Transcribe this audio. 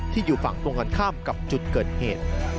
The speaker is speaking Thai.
อยู่ฝั่งตรงกันข้ามกับจุดเกิดเหตุ